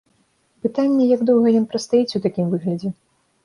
Пытанне, як доўга ён прастаіць у такім выглядзе.